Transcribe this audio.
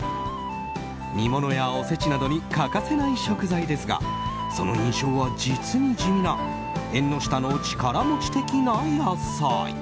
煮物やおせちなどに欠かせない食材ですがその印象は実に地味な縁の下の力持ち的な野菜。